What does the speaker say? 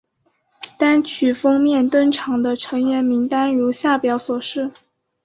单曲封面登场的成员名单如下表所示。